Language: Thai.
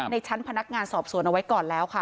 ในชั้นพนักงานสอบสวนเอาไว้ก่อนแล้วค่ะ